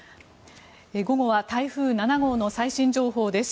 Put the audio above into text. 午後は台風７号の最新情報です。